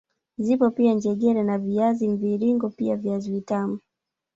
Zipo pia njegere na viazi vya mviringo pia viazi vitamu